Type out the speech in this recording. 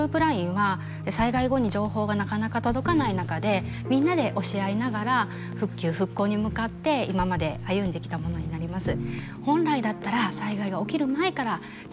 ＬＩＮＥは災害後に情報がなかなか届かない中でみんなで教え合いながら復旧・復興に向かって今まで歩んできたものになります。